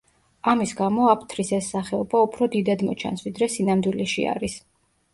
ამის გამო აფთრის ეს სახეობა უფრო დიდად მოჩანს, ვიდრე სინამდვილეში არის.